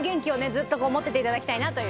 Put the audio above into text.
ずっと持ってて頂きたいなという。